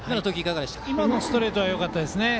今のストレートはよかったですね。